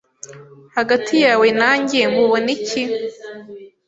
Hagati yawe nanjye, mubona iki?